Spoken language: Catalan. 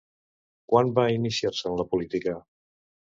Quan va iniciar-se en la política?